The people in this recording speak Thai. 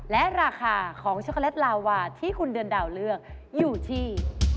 และราคาของช็กโกเลตลาวาที่คุณเดือนดาวเลือกอยู่ที่